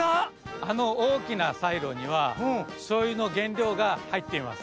あのおおきなサイロにはしょうゆのげんりょうがはいっています。